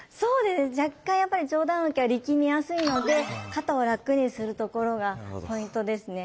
若干やっぱり上段受けは力みやすいので肩は楽にするところがポイントですね。